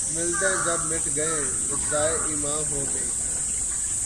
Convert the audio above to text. ملتیں جب مٹ گئیں‘ اجزائے ایماں ہو گئیں